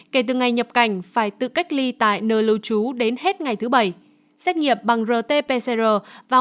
kể từ ngày nhập cảnh phải tự cách ly tại nơi lưu trú đến hết ngày thứ bảy xét nghiệm bằng rt pcr vào